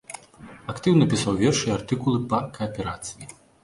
Актыўна пісаў вершы і артыкулы па кааперацыі.